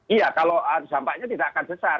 iya kalau dampaknya tidak akan besar